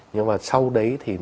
nhưng mà sau đấy thì